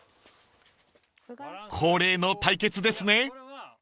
［恒例の対決ですね］